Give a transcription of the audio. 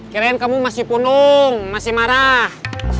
kirain kamu masih penuh masih marah